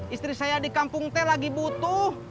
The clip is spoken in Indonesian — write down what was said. istri saya di kampung teh lagi butuh